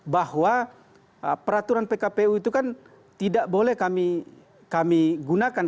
bahwa peraturan pkpu itu kan tidak boleh kami gunakan